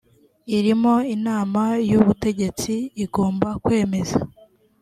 irimo inama y ubutegetsi igomba kwemeza